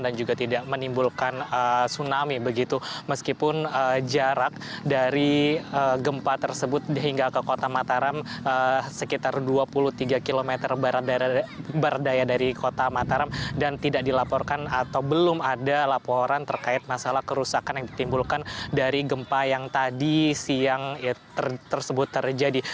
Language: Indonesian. dan tidak dilaporkan atau belum ada laporan terkait masalah kerusakan yang ditimbulkan dari gempa yang tadi siang tersebut terjadi